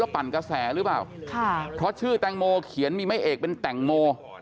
เพราะชื่อแต่งโมเขียนบีไหม่เอกเป็นแต่งโม